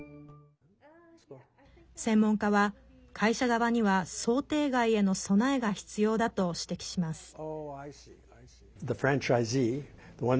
専門家は、会社側には想定外への備えが必要だと指摘します。